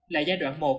là giai đoạn một